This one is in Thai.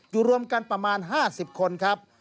รวมกันประมาณ๕๐คนครับ